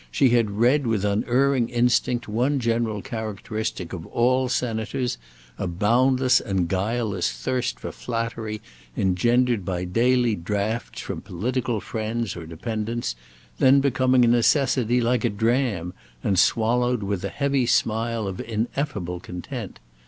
She had read with unerring instinct one general characteristic of all Senators, a boundless and guileless thirst for flattery, engendered by daily draughts from political friends or dependents, then becoming a necessity like a dram, and swallowed with a heavy smile of ineffable content.